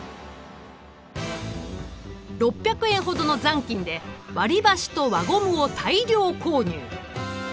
６００円ほどの残金で割りばしと輪ゴムを大量購入。